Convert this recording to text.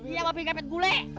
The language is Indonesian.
iya babi gepet gule